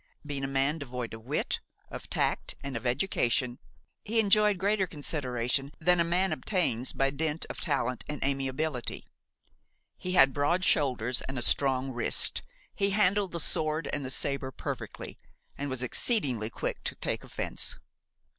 Being a man devoid of wit, of tact and of education, he enjoyed greater consideration than a man obtains by dint of talent and amiability. He had broad shoulders and a strong wrist; he handled the sword and the sabre perfectly, and was exceedingly quick to take offence.